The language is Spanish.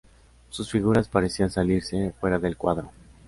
Sus figuras parecían salirse fuera del cuadro.